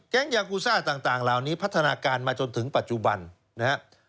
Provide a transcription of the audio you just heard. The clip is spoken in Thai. ยากูซ่าต่างเหล่านี้พัฒนาการมาจนถึงปัจจุบันนะครับ